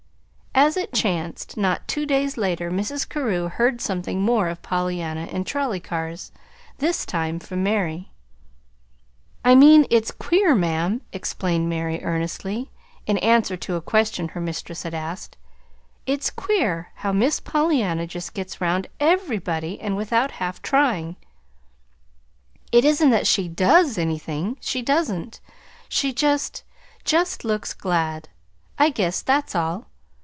As it chanced, not two days later, Mrs. Carew heard something more of Pollyanna and trolley cars this time from Mary. "I mean, it's queer, ma'am," explained Mary earnestly, in answer to a question her mistress had asked, "it's queer how Miss Pollyanna just gets 'round EVERYBODY and without half trying. It isn't that she DOES anything. She doesn't. She just just looks glad, I guess, that's all.